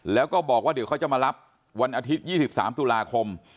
แล้วก็บอกว่าเดี๋ยวเขาจะมารับวันอาทิตย๒๓ตุลาคม